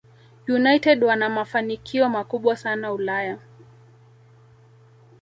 united wana mafanikio makubwa sana Ulaya